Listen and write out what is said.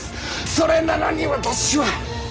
それなのに私は。